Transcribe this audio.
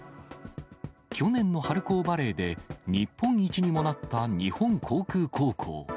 去年の春高バレーで、日本一にもなった日本航空高校。